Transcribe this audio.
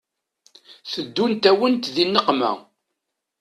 Teddunt-awent di nneqma.